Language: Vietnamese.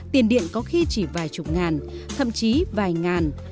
tiền điện có khi chỉ vài chục ngàn thậm chí vài ngàn